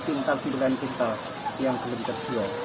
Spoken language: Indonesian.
delapan pintal sembilan pintal yang telur diperjual